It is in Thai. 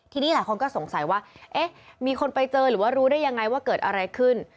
ทีนี้หลายคนก็สงสัยว่าเอ๊ะมีคนไปเจอหรือว่ารู้ได้ยังไงว่าเกิดอะไรขึ้น